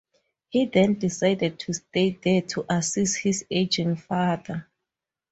He then decided to stay there to assist his aging father.